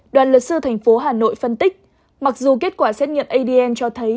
đoàn luật sư thành phố hà nội phân tích mặc dù kết quả xét nghiệm adn cho thấy